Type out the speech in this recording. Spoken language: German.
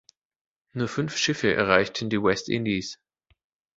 Nur fünf Schiffe erreichten die "West Indies".